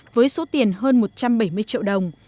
với số tiền hơn một trăm bảy mươi triệu đồng